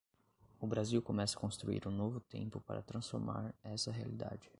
O Brasil começa a construir um novo tempo para transformar essa realidade